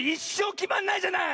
きまんないじゃない！